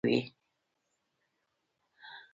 د لوېدیځ روم امپراتورۍ د ړنګېدو پرمهال پېښې وې